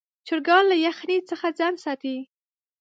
چرګان له یخنۍ څخه ځان ساتي.